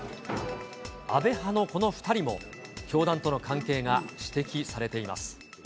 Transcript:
安倍派のこの２人も、教団との関係が指摘されています。